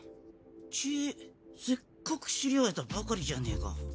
チェッせっかく知り合えたばかりじゃねえか。